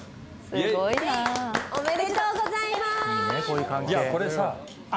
おめでとうございます。